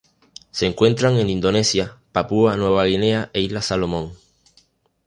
Se encuentran en Indonesia Papúa Nueva Guinea e Islas Salomón.